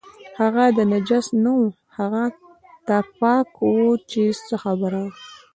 هغه ته نجس نه و، هغه ته پاک و چې څه خبره وه.